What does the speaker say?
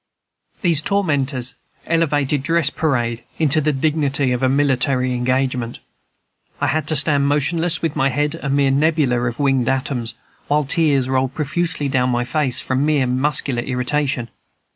These tormentors elevated dress parade into the dignity of a military engagement. I had to stand motionless, with my head a mere nebula of winged atoms, while tears rolled profusely down my face, from mere muscular irritation.